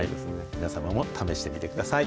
皆様も試してみてください。